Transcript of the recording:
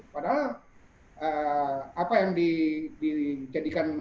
padahal apa yang dijadikan hantu goreng